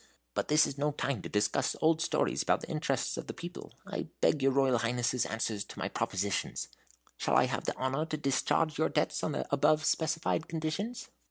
But this is no time to discuss the old story about the interests of the people. I beg your Royal Highness' answer to my propositions. Shall I have the honor to discharge your debts on the above specified conditions?"